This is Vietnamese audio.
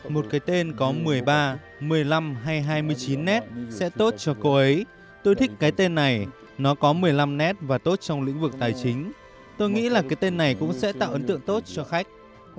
một cái tên có một mươi ba một mươi năm hay hai mươi chín nét sẽ tốt cho cô ấy tôi thích cái tên này nó có một mươi năm nét và tốt trong lĩnh vực tài chính tôi nghĩ là cái tên này cũng sẽ tạo ấn tượng tốt cho khách